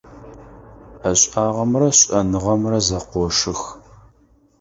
Ӏэшӏагъэмрэ шӏэныгъэмрэ зэкъошых.